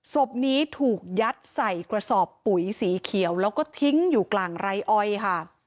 ศพนี้ถูกยัดใส่กระสอบปุ๋ยสีเขียวแล้วก็ทิ้งอยู่กลางไร่อ้อยค่ะ